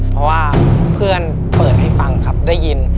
เพราะว่าเพื่อนเปิดให้ฟังครับได้ยิน